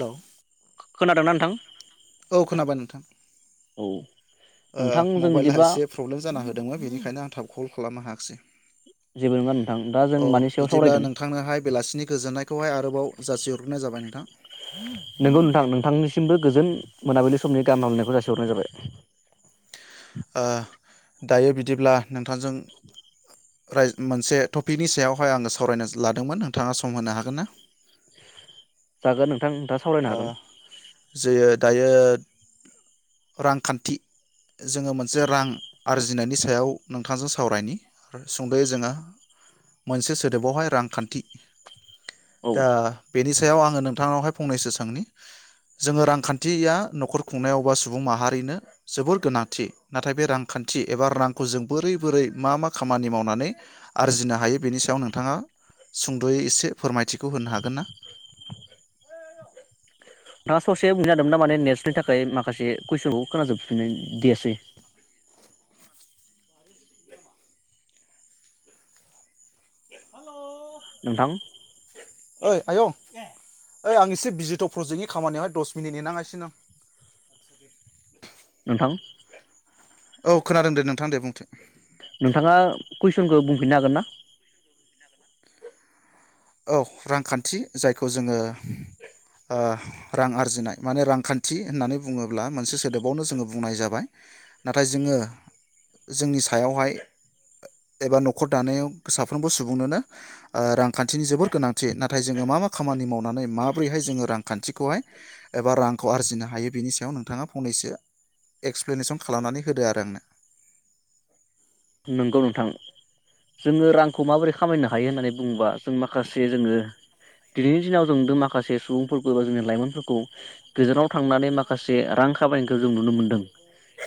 Hello खोनादोंना नोंथां औ खोनाबाय नोंथां औ ओ नोंथां जों मबाइला बिदिबा एसे प्रब्लेम जाना होदोंमोन बेनिखायनो आं थाब कल खालामनो हायाखिसै जेबो नङा नोंथां दा जों अ मानि सायाव बिदिब्ला सावरायगोन नोंथांनाहाय बेलासिनि गोजोननायखौहाय आरो बाव जासि हरग्रोनाय जाबाय नोंथां नोंगौ नोंथां नोंथांनिसिमबो गोजोन मोनाबिलि समनि गाहाम हामलायनायखौ जासिहरनाय जाबाय [inaudible] ओ दायो बिदिब्ला नोंथांजों राय मोनसे टपिकनि सायावहाय आङो सावरायनो लादोंमोन नोंथाङा सम होनो हागोन ना? हागोन ओं नोंथाङा सावरायनो ओ हागोन जे दायो रांखान्थि जोङो मोनसे रां आरजिनायनि सायाव नोंथांजों सावरायनि सुंदयै जोङो मोनसे सोदोबावहाय रांखान्थि औ दा बेनि याव आङो नोंथांनावहाय फंनैसोनि सोंनि जोङो रांखान्थि या नखर खुंनायावबा सुबुं माहारिनो जोबोर गोनांथि नाथाय बे रांखान्थि एबा रांखौ जों बोरै बोरै मा मा खामानि मावनानै आरजिनो हायो बेनि सायाव नोंथाङा सुंदयै एसे फोरमायथिखौ होनो हागोन ना? नोंथाङा ससे ना माने नेट्सनि थाखाय माखासे कुइसनखौ खोनाजोबफिननो दियासै [inaudible] नोंथां ओइ आयं ओइ आं एसे बिजिथ प्रजेक्टनि खामानियावहाय दस मिनिट नेेनाङासिनो आं नोंथां औ खोनादों दे नोंथां दे बुंथे नोंथाङा कुइसनखौ बुंफिननो हागोन ना औ रांखान्थि जायखौ जोङो ओ रां आरजिनाय माने रांखान्थि होननानै बुङोब्ला मोनसे सोदोबावनो जोङो बुंनाय जाबाय नाथाय जोङो जोंनि सायावहाय एबा नखर दानायाव साफ्रोमबो सुबुंनोनो ओ रांखा थिनि जोबोर गोनांथि नाथाय जोङो मा मा खामानि मावनानै माबोरैहाय जोङो रांखान्थिखौहाय एबा रांखौ आरजिनो हायो बिनि सायाव नोंथाङा फंनैसो एक्सप्लेनेसन खालामनानै होदो आरो आंनो नंगौ नोंथां जोङो रांखौ माबोरै खामायनो हायो होननानै बुङोबा जों माखासे जोङो दिनैनि दिनाव जों माखासे सुबुंफोरखौ बा जोंनि लाइमोनफोरखौ गोजानाव थांनानै माखासे रां खामायनायखौ जों नुनो मोनदों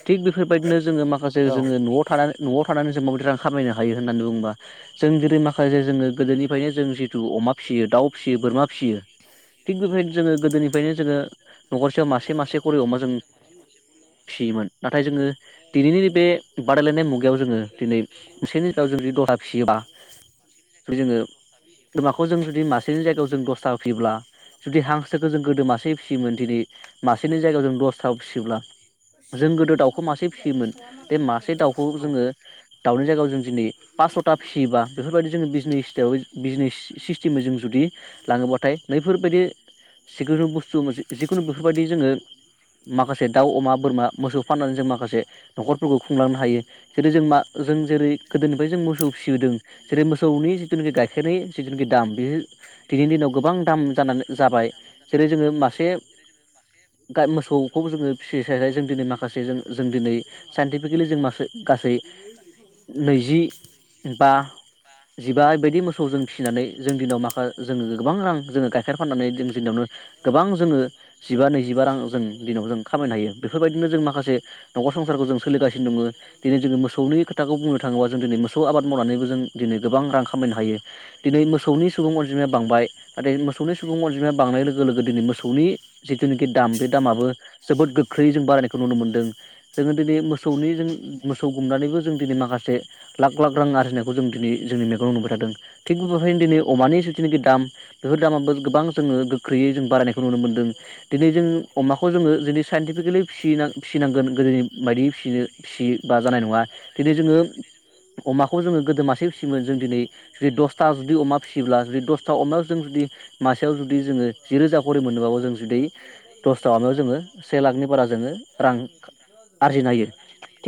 थिग बेफोरबायदिनो जोङो माखासे जोङो न'आव थानानै थानानैनानै जों माबै रां खामायनो हायो होननानै बुङोबा जों जेरै माखासे जोङो गोदोनिफ्रायनो जों जितु अमा फिसियो दाउ फिसियो बोरमा फिसियो थिग बेबायदिनो जोङो गोदोनिफ्रायनो जोङो नखरसेयाव मासे मासे खरि अमा जों फिसियोमोन नाथाय जोङो दिनैनि बे बादायलायनाय मुगायाव खौ जोङो दिनै मोसेनि जायगायाव जुदि दसथा फिसियोबा जुदि जोङो बोरमाखौ जों जुदि मासेनि जायगायाव जों दसथा फिसियोब्ला जुदि हांसोखौ जों गोदो मासे फिसियोमोन दिनै मासेनि जायगायाव जों दसथा फिसियोब्ला जों गोदो दाउखौ मासे फिसियोमोन बेे मासे दाउखौ औ जोङो दाउनि जायगायाव जों दिनै पाससथा फिसियोबा बेफोरबायदि जोङो बिजनेस बिजनेस सिस्टेमै जों जुदि लाङोबाथाय नैफोरबायदि जिखुनु बुस्थु मोन जिखुनु बेफोरबायदि जोङो माखासे दाउ अमा बोरमा मोसौ फाननानै जों माखासे से नखरफोरखौ खुंलांनो हायो जेरै जों मा जों जेरै गोदोनिफ्राय जों मोसौ फिसिदों जेरै मोसौनि जिथुनाखि गाइखेरनि जिथुनाखि दाम बे दिनैनि दिनाव गोबां दाम जानानै जाबाय जेरै जोङो मासे गाइ मोसौखौ जोङो फिसिसायसाय जों दिनै माखासे माखासे जों जों दिनै साइन्टिफिकेलि जों मासे गासै नैजि बा जिबा बायदि मोसौ जों फिसिनानै जों दिनाव माखा जोङो गोबां रां जोङो गाइखेर फाननानै जों दिनावनो गोबां जोङो जिबा नैजिबा रां जों दिनाव जों खामायनो हायो बेफोरबायदिनो जों माखासे से नखर संसारखौ जों सोलिगासिनो दङ जों मोसौनि खोथखौ बुंनो थाङोबा जों दिनै मोसौ आबाद मावनानैबो जों दिनै गोबां रां खामायनो हायो दिनै मोसौनि सुबुं अनजिमाया बांबाय नाथाय मोसौनि सुबुं अनजिमाया बांनाय लोगो लोगो दिनै मोसौनि जिथुनाखि दाम बे दामाबो जोबोद गोख्रैयै जों बारायनायखौ नुनो मोन्दों जोङो दिनै मोसौनि जों मोसौ गुमनानैबो जों दिनै माखासे लाख लाख रां आरजिनायखौ जों दिनै जोंनि मेगनाव नुबाय थादों थिग बेफोरबादिनो दिनै अमानि जिथुनाखि दाम बेफोर दामाबो गोबां जोङो गोख्रैयै जों बारायनायखौ नुनो मोनदों दिनै जों अमाखौ जोङो दिनै साइन्टिफिकेलि फि फिसिनांगोन गोदोनि बायदियै फिसिनो फिसि बा जानाय नङा दिनै जोङो अमाखौ जोङो गोदो मासे फिसियोमोन जों दिनै जुदि दसथा जुदि अमा फिसियोब्ला जुदि दसथा अमायाव जों जुदि मासेयाव जुदि जोङो जिरोजा खरि मोनोबाबो जों जुदि दसथा अमायाव जोङो से लाखनि बारा जोङो रां रां आरजिनो हायो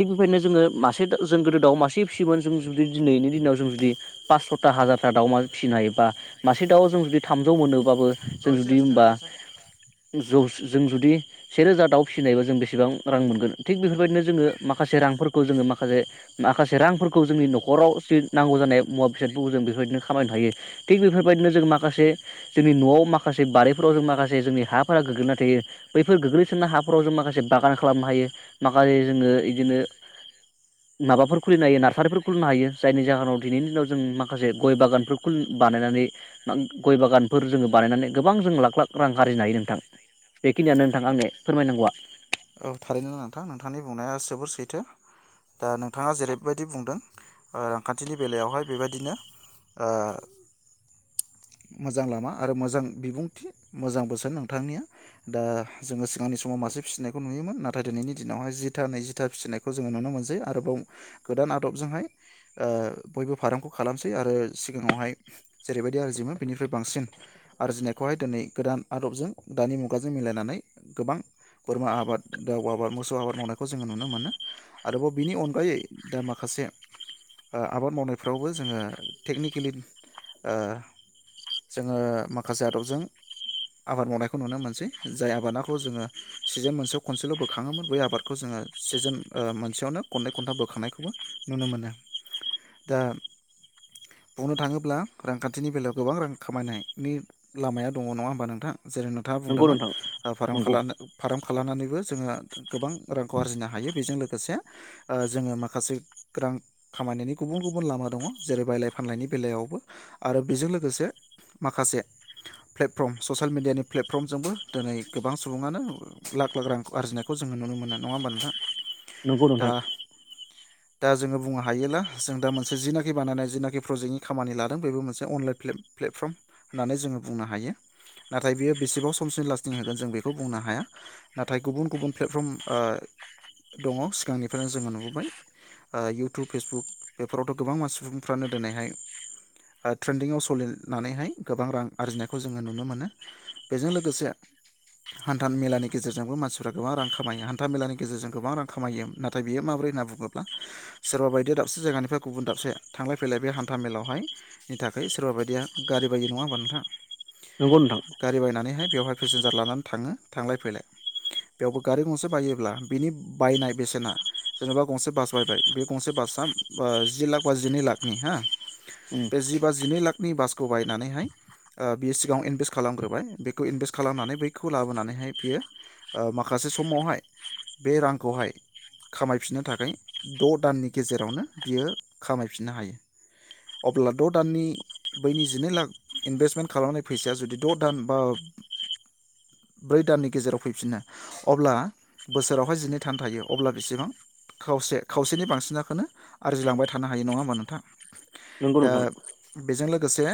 बेफोरबादिनो जोङो मासे जों गोदो दाउ मासे फिसियोन जों जुदि दिनैनि दिनाव जों जुदि पाछथा हार दाउ फिसिनो हायोबा मासे दाउ जों जुदि थामजौ मोनोबाबो जों जुदि सेेरोजा दाउ फिसिनायबा जों बेसेबां रां मोनगोन थिक बेफोर बेबायदिनो जोङो माखासे रांफोरखौ जोङो माखासे माखासे रांफोरखौ जोंनि नखराव जि नांगौ जानाय मुवा बेसादफोरखौ जों बेफोरबायदिनो खामायनो हायो थिग बेफोरबायदिनो जों माखासे माखासे जोंनि नआव माखासे बारिफोराव जों माखासे जोंनि हाफोरा गोग्लैनाय थायो बैफोर गोग्लैसोना हाफोराव जों माखासे बागान खालामनो हायो माखासे जोङो बिदिनो माबाफोर खुलिनो हायो नार्सारिफोर खुलिनो हायो जायनि जाहोनाव दिनैनि दिनाव जों माखासे गय बागानफोर खुलि बानायनानै गय बागानफोर जोङो बानायनानै गोबां जों लाख लाख रां आरजिनो हायो नोंथां बेखिनियानो नोंथां आंनि फोरमायनांगौआ औ थारैनो नोंथां नोंथांनि बुंनाया जोबोर सैथो दा नोंथाङा जेरैबायदि बुंदों रांखान्थिनि बेलायावहाय बेबायदिनो ओ मोजां लामा आरो मोजां बिबुंथि मोजां बोसोन नोंथांनिया दा जोङो सिगांनि समाव मासे फिसिनायखौ नुयोमोन नाथाय दिनैनि दिनावहाय जिथा नैजिथा फिसिनायखौ जोङो नुनो मोनसै आरोबाव गोदान आदबजोंहाय बयबो फार्मखौ खालामसै आरो सिगाङावहाय जेरैबायदि आरजियोमोन बिनिफ्राय बांसिन आरजिनायखौहाय दिनै गोदान आदबजों दानि मुगाजों मिलायनानै गोबां बोरमा आबाद दाउ आबाद मोसौ आबाद मावनायखौ जोङो नुनो मोनो आरोबाव बिनि अनगायै दा माखासे आबाद मावनायफ्रावबो जोङो टेकनिकेलि ओ जोङो माखासे आदबजों आबाद मावनायखौ नुनो मोनसै जाय आबादाखौ जोङो सिजोन मोनसेयाव खनसेल बोखाङोमोन बै आबादखौ जोङो सिजोन मोनसेयावनो खननै खन्था बोखांनायखौबो नुनो मोनो दा बुंनो थाङोब्ला रांखान्थिनि बेलायाव गोबां रां खामायनायनि लामाया दङ नङा होमबा नोंथां जेरै नोंथाङा नंगौ बुंदोंमोन नोंथां फार्म नंगौ खालामनाय फार्म खालामनानै जों गोबां रांखौ आरजिनो हायो बेजों लोगोसे जोङो माखासे रां खामायनायनि गुबुन गुबुन लामा दङ जेरै बायलाय फानलायनि बेलायावबो आरो बेजों लोगोसे लोगोसे माखासे प्लेटफर्म ससियेल मेडियानि प्लेटफर्मजोंबो दिनै गोबां सुबुङानो लाख लाख रां आरजिनायखौ जोङो नुनो मोनो नङा होमबा नोंथा नोंगौ नोंथां दा जोङो बुंनो हायोब्ला जों दा मोनसे जिनाखि बानायनाय जिनाखि प्रजेक्टनि खामानि लादों बेबो मोनसे अनलाइन प्लेटफर्म होननानै जोङो बुंनो हायो नाथाय बियो बेसेबाव समसिम लास्टिं होगोन जों बेखौ बुंनो हाया नाथाय गुबुन गुबुन प्लेटफर्म ओ दङ ओ सिगांनिफ्रायनो जोङो नुबोबाय इयउटुब फेसबुक बेफोरावथ गोबां मानसि सुबुंफ्रानो दिनैहाय ट्रेन्डिंआव सलिनानैहाय गोबां रां आरजिनायखौ जोङो नुनो मोनो बेजों लोगोसे हान्था मेलानि गेजेरजोंबो मानसिफ्रा गोबां रां खामायो हान्था मेलानि गेजेरजों गोबां रां खामायो नाथाय बियो माब्रै होनना बुङोब्ला सोरबा बायदिया दाबसे जायगानिफ्राय गुबुन दाबसे थांलाय फैलाय बे हान्थ मेलायावहायनि थाखाय सोरबा बायदिया गारि बायायो नङा हबा नोंथां नंगौ नोंथां गारि बायनानैहाय बेवहाय़ पेसेनजार लानानै थाङो थांलाय फैलाय बेवबो गारि गंसे बायोबा बिनि बायनाय बेसेना जेनबा गंसे बास बायबाय जेनबा बे गंसे बासआ जि लाक बा जिनै लाकनि हा उम बे जि बा जिनै लाक नि बासखौ बायनानैहाय बियो सिगाङाव इनभेस्ट खालामग्रोबाय बेखौ इनभेस्ट खालामनानै बैखौ लाबोनानैहाय बियो माखासे समावहाय बे रांखौहाय खामायफिननो थाखाय द दाननि गेजेरावनो बियो खामायफिननो हायो अब्ला द दाननि बैनि जिनै लाख इनभेस्टमेन्ट खालामनाय फैसाया जुदि द दान बा ब्रै दाननि गेजेराव फैफिनो अब्ला बोसोरावहाय जिनै दान थायो अब्ला बेसेबां खावसे खावसेनि बांसिनाखौनो आरजिलांबाय थानो हायो नङा होमबा नोंथां। नोंगौ दा नोंथां बेजों लोगोसे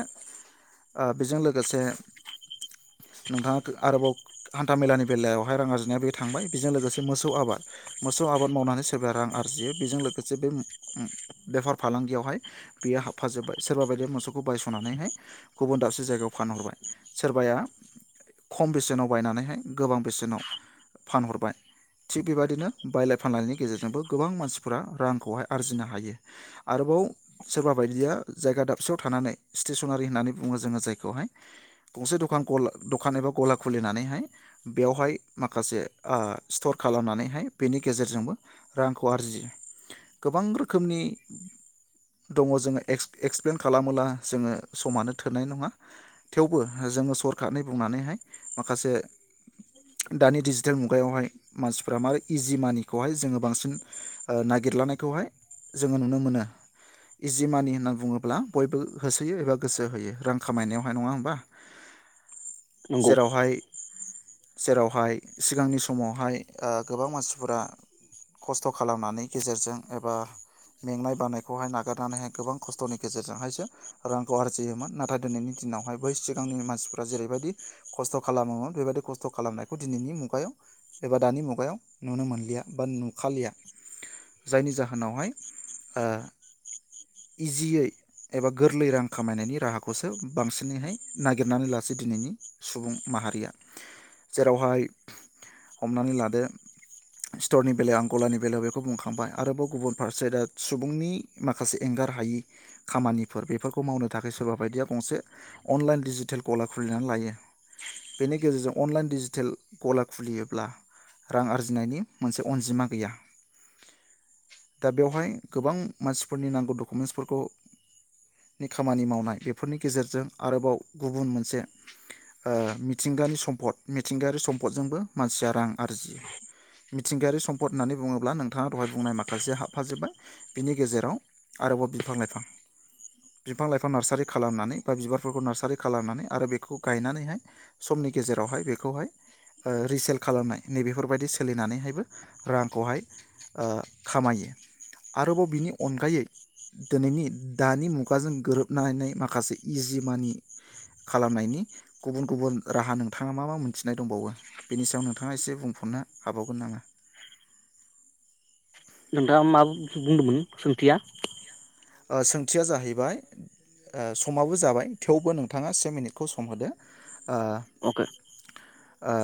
बेजों लोगोसे नोंथाङा आरोबाव हान्थाामेलानि बेलायावहाय रां आरजिनाया बे थांबाय बेजों लोगोसे मोसौ आबाद मोसौ आबाद मावनानै सोरबाया रां आरजियो बेजों लोगोसे बेफार फालांगियावहाय बेयो हाबफाजोब्बाय सोरबा बायदि मोसौ खौ बायसनानैहाय गुबुन दाबसे जायगायाव फानहरबाय सोरबाया खम बेसेनाव बायनानैहाय गोबां बेसेनाव फानहरबाय थिग बेबादिनो बायलाय फानलायनि गेजेरजोंबो गोबां मानसिफोरा रांखौहाय आरजिनो हायो आरोबाव सोरबा बायदिया जायगा दाबसेयाव थानानै स्टेसनारि होननानै बुङो जोङो जायखौहाय गंसे दखान एबा गला खुलिनानैहाय बेयावहाय माखासे स्टर खालामनानैहाय बेनि गेजेरजोंबो रांखौ आरजियो गोबां रोखोमनि दङ जोङो [unintelligible] खालामोब्ला जोङो समानो थोननाय नङा थेवबो जोङो सरखारनि बुंनानैहाय माखासे दानि डिजिटेल मुगायावहाय मानसिफ्रा मारै इजि मानिखौहाय जोङो बांसिन नागिरलानायखौहाय जोङो नुनो मोनो इजि मानि होननानै बुङोब्ला बयबो होसोयो एबा गोसो होयो रां खामायनायावहाय नङा होमबा नंगौ जेरावहाय जेरावहाय सिगांनि समावहाय ओ गोबां मानसिफोरा खस्थ खालामनानै गेजेरजों एबा मेंनाय बानायखौहाय नागारनानैहाय गोबां खस्थनि गेजेरजों हायसो रांखौ आरजियोमोन नाथाय दिनैनि दिनावहाय बै सिगांनि मानसिफ्रा जेरैबायदि खस्थ खालामोमोन बेबायदि खस्थ खालामनायखौ दिनैनि मुगायाव एबा दानि मुगायाव नुनो मोनलिया बा नुखालिया जायनि जाहोनावहाय ओ इजियै एबा गोरलै रां खामायनायनि राहाखौसो बांसिनैहाय नागिरनानै लासै दिनैनि सुबुं माहारिया जेरावहाय हमनानै लादो सिथरनि बेलायाव आं गलानि बेलायाव बेखौ बुंखांबाय आरोबाव गुबुन फारसे दा सुबुंनि माखासे एंगार हायि खामानिफोर बेफोरखौ मावनो थाखाय सोरबा बायदिया गंसे अनलाइन डिजिटेल गला खुलिनानै लायो। बेनि गेजेरजों अनलाइन डिजिटेल गला खुलियोब्ला रां आरजिनायनि मोनसे अनजिमा गैया। दा बेवहाय गोबां मानसिफोरनि नांगौ डकुमेन्टसफोरखौ नि खामानि मावनाय बेफोरनि गेजेरजों आरोबाव गुबुन मोनसे मिथिंगानि सम्पद मिथिंगायारि सम्फदजोंबो मानसिया रां आरजियो। मिथिंगायारि सम्पद होननानै बुङोब्ला नोंथाङा दहाय बुंनाय माखासे हाबफाजोब्बाय। बिनि गेजेराव आरोबाव बिफां लाइफां बिफां लाइफां नार्सारि खालामनानै बा बिबारफोरखौ नार्सारि खालामनानै आरो बेखौ गायनानैहाय समनि गेजेरावहाय बेखौहाय ओ रिसेल खालामनाय नैबेफोरबायदि सोलिनानैहायबो रांखौहाय ओ खामायो आरोबाव बिनि अनगायै दोनैनि दानि मुगाजों गोरोबनानै माखासे इजि मानि खालामनायनि गुबुन गुबुन राहा नोंथाङा मा मा मोनथिनाय दंबावो बेनि सायाव नोंथाङा एसे बुंफोरनो हाबावगोन नामा? नोंथाङा मा बु-बुंदोंमोन सोंथिया? ओ सोंथिया जाहैबाय ओ समाबो जाबाय थेवबो नोंथाङा से मिनिटखौ सम होदो। ओ अके ओ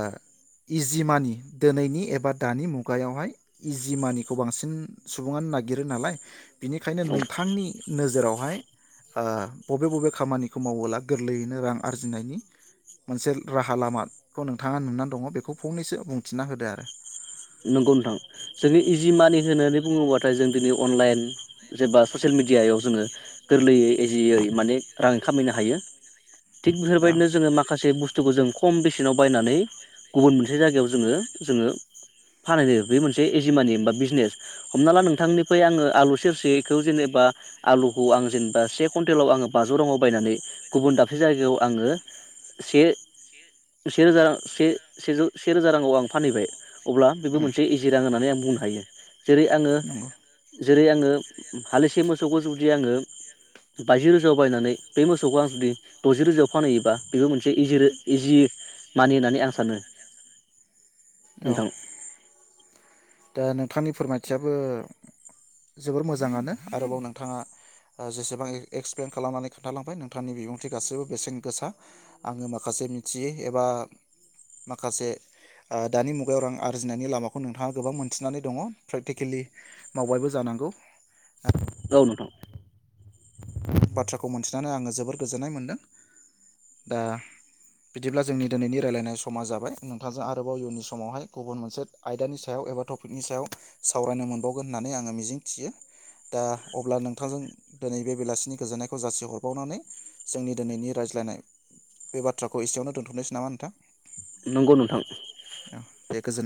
इजि मानि दिनैनि एबा दानि मुगायावहाय इजि मानिखौ बांसिन सुबुङानो नागिरो नालाय बिनिखायनो औ नों थांनि नोजोरावहाय ओ बबे बबे खामानिखौ मावोब्ला गोरलैयैनो रां आरजिनायनि मोनसे राहा लामाखौ नोंथाङा नुना दङ' बेखौ फंनैसो बुंथिना होदो आरो। नंगौ नोंथां जोङो इजि मानि होननानै बुङोब्लाथाय जों दिनै अनलाइन जेबा ससियेल मिडियायाव जोङो गोरलैयै इजियै माने रां खामायनो हायो। थिग औ बेफोरबायदिनो जोङो माखासे बुस्थुखौ जों खम बेसेनाव बायनानै गुबुन मोनसे जायगायाव जोङो जोङो फानहैयो बे मोनसे एजि मानि बा बिजनेस। हमना ला नोंथांनिफ्राय आङो आलु सेरसेखौ जेनेबा आलुखौ आं जेनेबा से कुइन्टेलाव आङो बाजौ राङाव बायनानै गुबुन दाबसे जायगायाव आङो से से रोजा से सेजौ से से रोजा राङाव आं फानहैबाय अब्ला बेबो उम मोनसे इजि रां होननानै आं बु बुंनो हायो। जेरै आङो नंगौ जेरै आङो हालिसे मोसौखौ जुदि आङो बाजि रोजायाव बायनानै बे मोसौखौ आं जुदि दजि रोजायाव फानहैयोबा बेबो मोनसे इजि रो इजि मानि होननानै आं सानो। औ नोंथां। दा नोंथांनि फोरमायथियाबो जोबोर मोजाङानो आरोबाव नोंथाङा जेसेबां एक्सप्लेन खालामनानै खोन्थालांबाय नोंथांनि बिबुंथि गासैबो बेसेन गोसा आङो माखासे मिथियै एबा माखासे ओ दानि मुगायाव रां आरजिनायनि लामाखौ नोंथाङा गोबां मोनथिनानै दङ प्रेक्टिकेलि मावबायबो जानांगौ औ नोंथां। बाथ्राखौ मोन्थिनानै आङो जोबोर गोजोननाय मोनदों। दा बिदिब्ला जोंनि दिनैनि रायलायनाय समा जाबाय नोंथांजों आरोबाव इयुननि समावहाय गुबुन मोनसे आयदानि सायाव एबा टपिकनि सायाव सावरायनो मोनबावगोन होननानै आङो मिजिं थियो। दा अब्ला नोंथांजों दिनै बे बेलासिनि गोजोननायखौ जासिहरबावनानै जोंनि दिनैनि रायज्लायनाय बे बाथ्राखौ एसेयावनो दोनथनोसै नामा नोंथां? नंगौ नोंथां। औ दे गोजोन